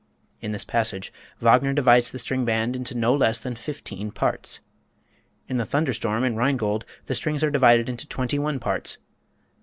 In this passage Wagner divides the string band into no less than fifteen parts. In the thunder storm in "Rheingold" the strings are divided into twenty one parts.